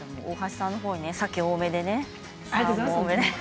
大橋さんのほうに、さけ多めで。